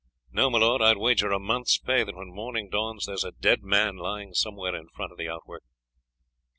No, my lord, I would wager a month's pay that when morning dawns there is a dead man lying somewhere in front of the outwork."